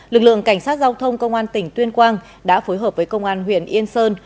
lực lượng cảnh sát giao thông công an tỉnh tuyên quang đã phối hợp với công an huyện yên sơn